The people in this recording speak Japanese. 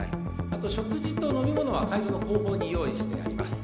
あと食事と飲み物は会場の後方に用意してあります